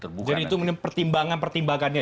terbuka jadi itu pertimbangan pertimbangan